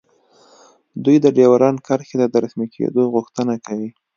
دوی د ډیورنډ کرښې د رسمي کیدو غوښتنه کوي